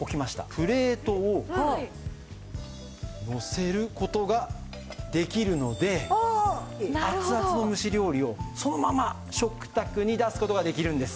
プレートをのせる事ができるので熱々の蒸し料理をそのまま食卓に出す事ができるんです。